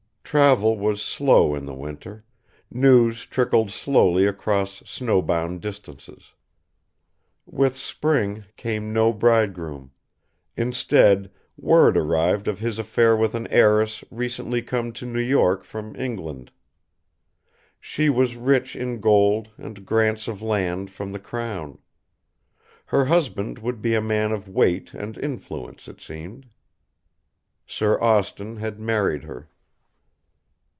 Travel was slow in the winter, news trickled slowly across snowbound distances. With spring came no bridegroom; instead word arrived of his affair with an heiress recently come to New York from England. She was rich in gold and grants of land from the Crown. Her husband would be a man of weight and influence, it seemed. Sir Austin had married her.